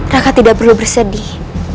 raka tidak perlu bersedih